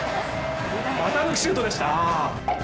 股抜きシュートでした。